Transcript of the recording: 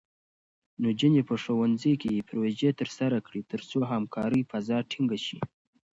نجونې په ښوونځي کې پروژې ترسره کړي، ترڅو همکارۍ فضا ټینګې شي.